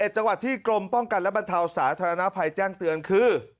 จังหวัดที่กรมป้องกันและบรรเทาสาธารณภัยแจ้งเตือนคือ